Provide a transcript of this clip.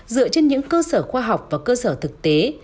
dựa trên những cơ sở khoa học và cơ sở thực tế